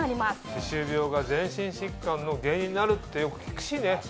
歯周病が全身疾患の原因になるってよく聞くしね。